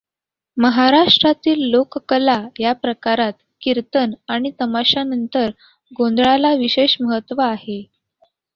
महाराष्ट्रातील लोककला या प्रकारात किर्तन आणि तमाशानंतर गोंधळाला विशेष महत्त्व आहे.